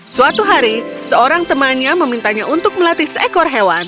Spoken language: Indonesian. suatu hari seorang temannya memintanya untuk melatih seekor hewan